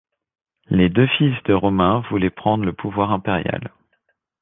Les deux fils de Romain voulaient prendre le pouvoir impérial.